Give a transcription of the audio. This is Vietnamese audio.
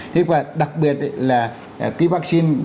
thế và đặc biệt là cái vaccine